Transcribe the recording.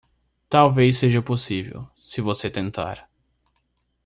Talvez seja possível, se você tentar